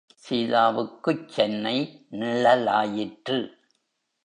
சீதாவுக்குச் Chennai நிழலாயிற்று.